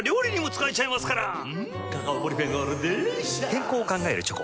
健康を考えるチョコ。